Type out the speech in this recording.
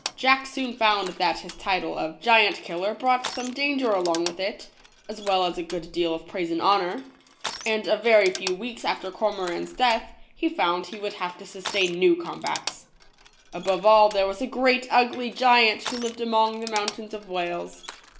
Jack soon found that his title of " Giant Killer" brought some danger along with it, as well as a good deal of praise and honor ; and a very few weeks after Cormoran's death he found he would have to sustain new combats. Above all, there was a great ugly giant who lived among the mountains of Wales.